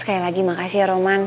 sekali lagi makasih ya roman